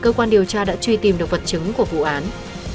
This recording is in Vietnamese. cơ quan điều tra đã truy tìm được vật chứng của vụ án